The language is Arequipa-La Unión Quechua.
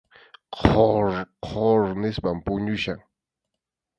Qhur qhur nispam puñuchkan.